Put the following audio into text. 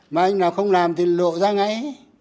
mà anh nào không làm thì lộ ra ngay